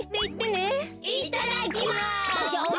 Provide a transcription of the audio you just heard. いただきます！